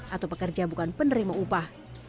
atau pekerja bukan penerima upah